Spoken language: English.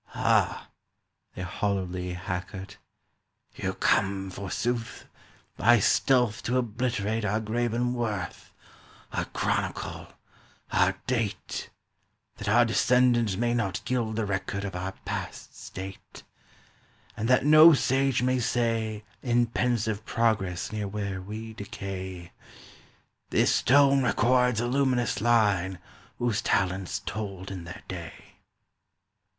"Ha," they hollowly hackered, "You come, forsooth, "By stealth to obliterate Our graven worth, our chronicle, our date, That our descendant may not gild the record Of our past state, "And that no sage may say In pensive progress near where we decay: 'This stone records a luminous line whose talents Told in their day.